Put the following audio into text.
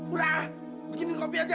udah begini kopi aja